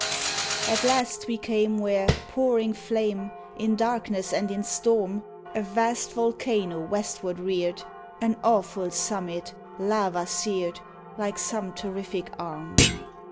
At last we came where pouring flame In darkness and in storm, A vast volcano westward reared An awful summit, lava seared, Like some terrific arm.